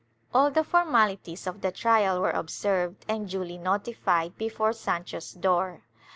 All the formalities of the trial were observed and duly notified before Sancho's door.